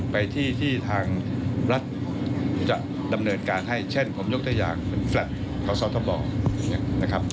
ไปที่ที่ทางรัฐจะดำเนินการให้เช่นผมยกตัวอย่างเป็นแฟลต์ของสอทบนะครับ